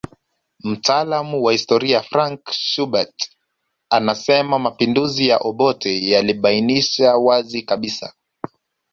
Mtaalamu wa historia Frank Schubert anasema mapinduzi ya Obote yalibainisha wazi kabisa